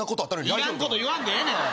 いらんこと言わんでええねんおい